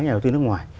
nhà đầu tư nước ngoài